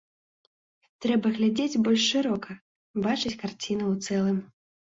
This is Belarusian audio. Трэба глядзець больш шырока, бачыць карціну ў цэлым.